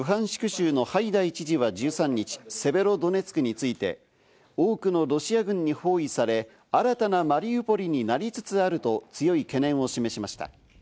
州のハイダイ知事は１３日、セベロドネツクについて、多くのロシア軍に包囲され、新たなマリウポリになりつつあると強い懸念を示しました。